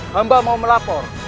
hamba mau melapor